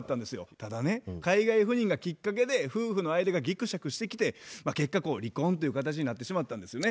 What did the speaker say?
ただね海外赴任がきっかけで夫婦の間がぎくしゃくしてきて結果離婚という形になってしまったんですよね。